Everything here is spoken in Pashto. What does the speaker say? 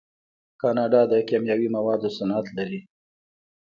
کاناډا د کیمیاوي موادو صنعت لري.